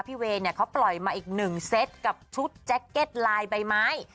เวย์เนี่ยเขาปล่อยมาอีกหนึ่งเซตกับชุดแจ็คเก็ตลายใบไม้